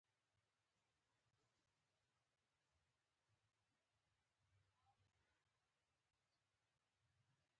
د روم ستر لیکوال پیلني د یوه سړي کیسه بیانوي